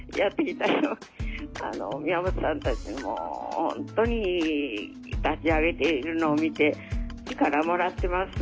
宮本さんたちも本当に立ち上げているのを見て力もらってます